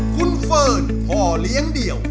คุณเฟิร์นพ่อเลี้ยงเดี่ยว